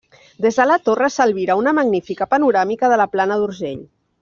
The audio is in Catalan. Des de la torre s'albira una magnífica panoràmica de la plana d'Urgell.